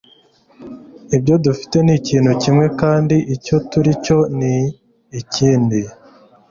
Ibyo dufite ni ikintu kimwe kandi icyo turi cyo ni ikindi.